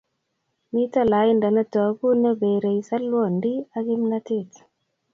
mito laindo ne togu ne berei salwondi ak kimnatet